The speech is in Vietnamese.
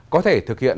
có thể thực hiện